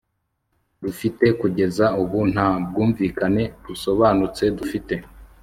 Dufite kugeza ubu nta bwumvikane busobanutse dufite